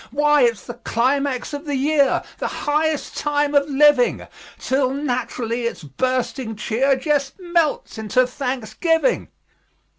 Why, it's the climax of the year, The highest time of living! Till naturally its bursting cheer Just melts into thanksgiving.